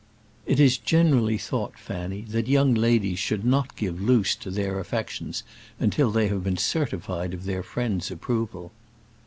"It is generally thought, Fanny, that young ladies should not give loose to their affections until they have been certified of their friends' approval."